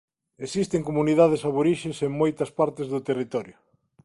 Existen comunidades aborixes en moitas partes do territorio.